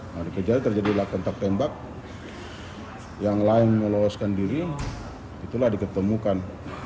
nah dikejar terjadilah kentak tembak yang lain meluaskan diri itulah diketemukan